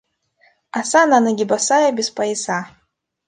Оса на ноги боса и без пояса.